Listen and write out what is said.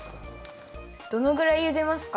どのぐらいゆでますか？